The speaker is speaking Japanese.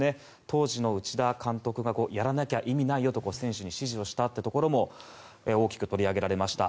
当時の内田監督がやらなきゃ意味ないよと選手に指示したというところも大きく取り上げられました。